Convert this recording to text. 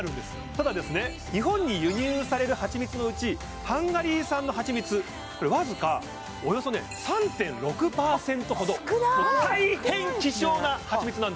ただ日本に輸入される蜂蜜のうちハンガリー産の蜂蜜わずかおよそ３．６％ほど大変希少な蜂蜜なんですよ